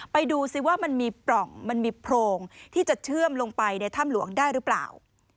ไปดูสิว่ามันมีพร่องที่จะเชื่อมลงไปในถ้ำหลวงได้หรือเปล่า